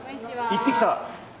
行ってきた？